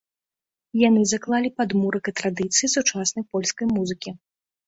Яны заклалі падмурак і традыцыі сучаснай польскай музыкі.